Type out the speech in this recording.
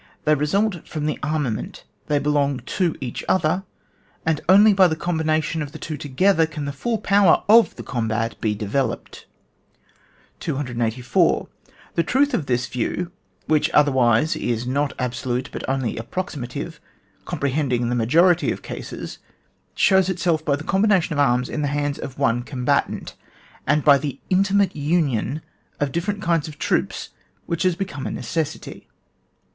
They result from the armament, they belong to each other, and only by the combination of the two together can the full power of the combat be developed. 284. The truth of this view (which otherwise is not absolute but only ap proximative, comprehending the majority of cases), shows itself by the combina tion of arms in the hands of one com batant, and by the intimate union of different kinds of troops which has be come a necessity.